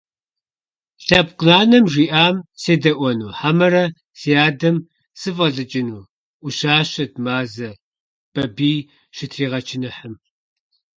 Лъэпкъ нанэм жиӀам седэӀуэну хьэмэрэ си адэм сыфӀэлӀыкӀыну?! – Ӏущэщат Мазэ, Бабий щытригъэчыныхьым.